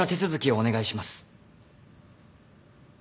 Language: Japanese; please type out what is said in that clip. お願いします！